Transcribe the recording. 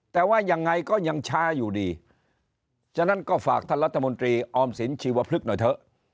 แต่ว่ายังไงก็ยังช้าอยู่ดีฉะนั้นก็ฝากท่านรัฐมนตรีออมสินชีวพฤกษหน่อยเถอะ